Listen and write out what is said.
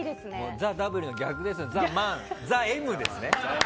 「ＴＨＥＷ」の逆ですよね「ＴＨＥＭ」ですね。